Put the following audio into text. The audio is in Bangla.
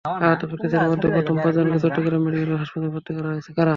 আহত ব্যক্তিদের মধ্যে প্রথম পাঁচজনকে চট্টগ্রাম মেডিকেল কলেজ হাসপাতালে ভর্তি করা হয়েছে।